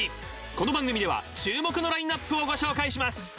この番組では注目のラインアップをご紹介します。